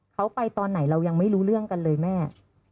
เขาไปตอนไหนเรายังไม่รู้เรื่องกันเลยแม่